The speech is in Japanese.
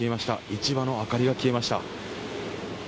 市場の明かりが消えました。